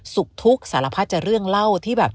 ทุกข์สารพัดจะเรื่องเล่าที่แบบ